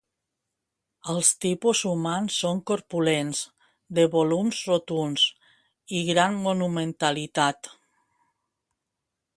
Els tipus humans són corpulents, de volums rotunds i gran monumentalitat.